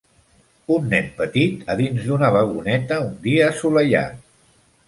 Un nen petit a dins d'una vagoneta un dia assolellat.